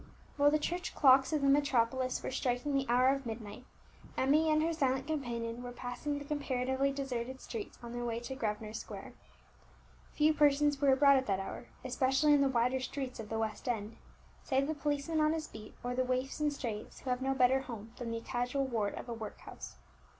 While the church clocks of the metropolis were striking the hour of midnight, Emmie and her silent companion were passing the comparatively deserted streets on their way to Grosvenor Square. Few persons were abroad at that hour, especially in the wider streets of the West end, save the policeman on his beat, or the waifs and strays who have no better home than the casual ward of a workhouse.